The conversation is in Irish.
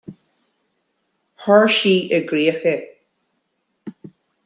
Chuir sí i gcrích é.